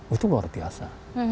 itu luar biasa